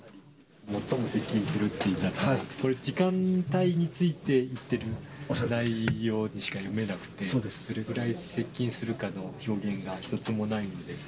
最も接近するっていう言い方、これ、時間帯について言ってる内容にしか読めなくて、どれくらい接近するかの表現が一つもないので。